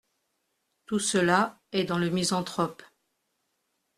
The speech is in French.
Tout cela est dans le Misanthrope .